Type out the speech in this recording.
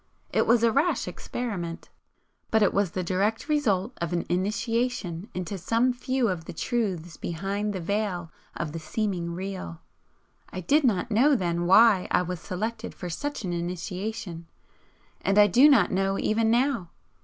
It was a rash experiment, but it was the direct result of an initiation into some few of the truths behind the veil of the Seeming Real. I did not then know why I was selected for such an 'initiation' and I do not know even now.